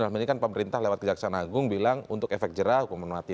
dalam ini kan pemerintah lewat kejaksaan agung bilang untuk efek jerah hukuman mati